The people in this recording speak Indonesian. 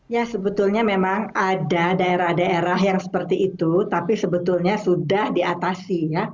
ya sebetulnya memang ada daerah daerah yang seperti itu tapi sebetulnya sudah diatasi ya